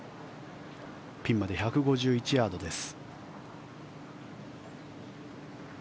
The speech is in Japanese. ピンまで１５１ヤードです。